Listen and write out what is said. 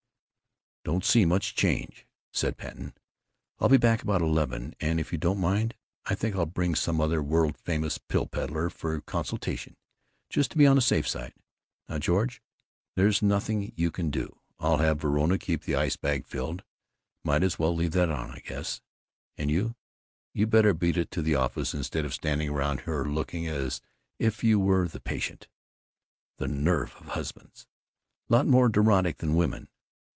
"Don't see much change," said Patten. "I'll be back about eleven, and if you don't mind, I think I'll bring in some other world famous pill pedler for consultation, just to be on the safe side. Now George, there's nothing you can do. I'll have Verona keep the ice bag filled might as well leave that on, I guess and you, you better beat it to the office instead of standing around her looking as if you were the patient. The nerve of husbands! Lot more neurotic than the women!